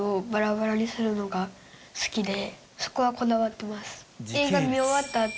そこはこだわってます。